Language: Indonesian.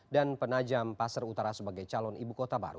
dan panajam pasar utara sebagai calon ibu kota baru